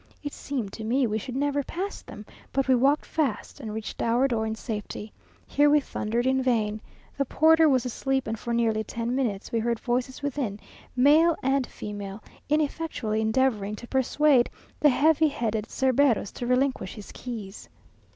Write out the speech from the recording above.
It seemed to me we should never pass them, but we walked fast, and reached our door in safety. Here we thundered in vain. The porter was asleep, and for nearly ten minutes we heard voices within, male and female, ineffectually endeavouring to persuade the heavy headed Cerberus to relinquish his keys.